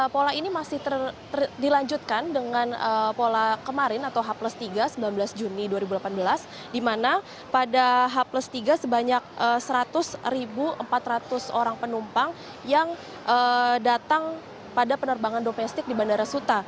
pola ini masih dilanjutkan dengan pola kemarin atau h tiga sembilan belas juni dua ribu delapan belas di mana pada h tiga sebanyak seratus empat ratus orang penumpang yang datang pada penerbangan domestik di bandara suta